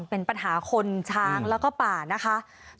เป็นปัญหาคนช้างแล้วก็ป่านะคะ